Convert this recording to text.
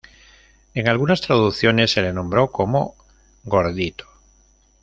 En algunas traducciones se le nombro como "Gordito".